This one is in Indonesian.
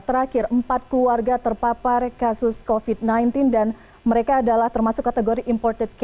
terakhir empat keluarga terpapar kasus covid sembilan belas dan mereka adalah termasuk kategori imported case